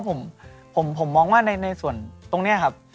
ผมมองว่าในส่วนตรงนี้ครับ